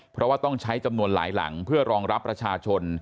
เพราะว่าต้องใช้จำนวนหลายหลังเพื่อรองรับประชาชน